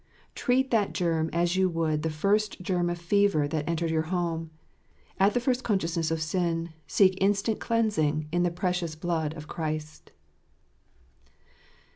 Treat that germ as you would the first germ of fever that entered your home. At the first consciousness of sin, seek instant cleansing in the precious blood of Christ.